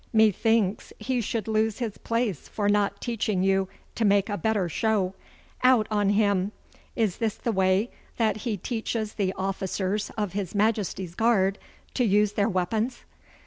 'Methinks he should lose his place for not teaching you to make a better show. Out on him! Is this the way that he teaches the officers of his Majesty's guard to use their weapons?